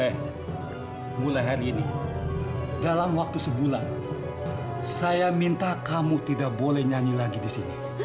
mulai hari ini dalam waktu sebulan saya minta kamu tidak boleh nyanyi lagi di sini